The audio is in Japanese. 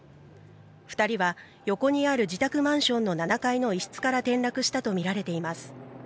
２人は横にある自宅マンションの７階の一室から転落したと見られています。